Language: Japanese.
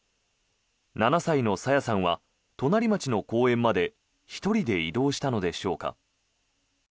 ７歳の朝芽さんは隣町の公園まで１人で移動したのでしょうか。